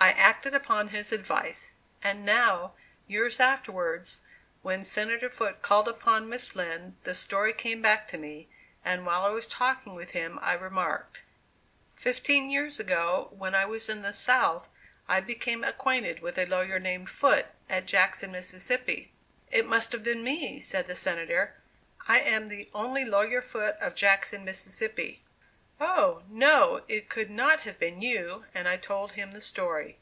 I acted upon his advice. And now, years afterwards, when Senator Foote called upon Miss Lind the story came back to me, and while I was talking with him I remarked: "Fifteen years ago, when I was in the South, I became acquainted with a lawyer named Foote, at Jackson, Mississippi." "It must have been me," said the Senator, "I am the only 'lawyer Foote, of Jackson, Mississippi.'" "Oh! no, it could not have been you," and I told him the story.